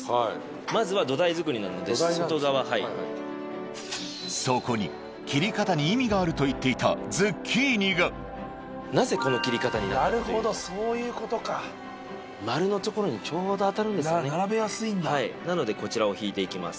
まずは土台作りなので外側そこに切り方に意味があるといっていたズッキーニがなぜこの切り方になったっていうなるほどそういうことか丸のところにちょうど当たるんですよね並べやすいんだなのでこちらを敷いていきます